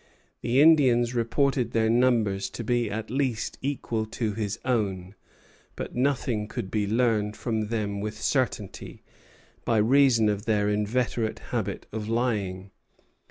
The Indians reported their numbers to be at least equal to his own; but nothing could be learned from them with certainty, by reason of their inveterate habit of lying.